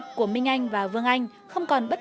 thấy chú làm không xoa này